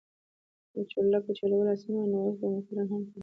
که چورلکه چلول اسانه وای نو اوس به موټروان هم چلوله.